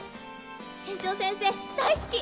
園長先生大好き！